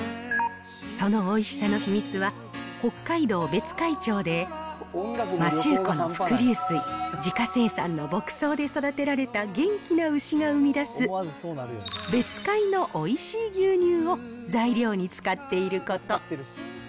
そのおいしさの秘密は北海道別海町で、摩周湖の伏流水、自家生産の牧草で育てられた元気な牛が生み出す、別海のおいしい牛乳を材料に使っていること。